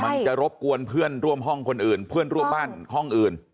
มันจะรบกวนเพื่อนร่วมห้องคนอื่นเพื่อนร่วมบ้านห้องอื่น